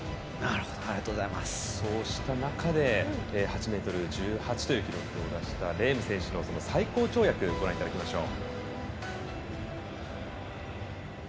そうした中で８ｍ１８という記録を出したレーム選手の最高跳躍ご覧いただきましょう。